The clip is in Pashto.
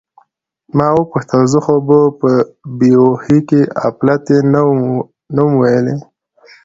ما وپوښتل: زه خو به په بې هوښۍ کې اپلتې نه وم ویلي؟